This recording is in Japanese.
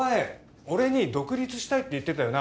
俺に「独立したい」って言ってたよな？